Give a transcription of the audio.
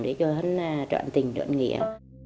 để cho hắn trọn tình trọn nghĩa